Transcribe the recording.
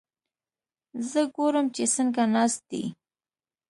زه ګورم چې څنګه ناست دي؟